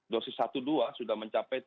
dosis kedua sudah mencapai